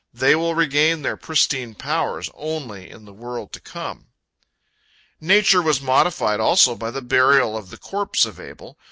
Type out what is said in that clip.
They will regain their pristine powers only in the world to come. Nature was modified also by the burial of the corpse of Abel.